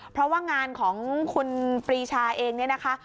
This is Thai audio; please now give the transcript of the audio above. เพราะว่างานของคุณปรีชาเองเนี่ยนะคะ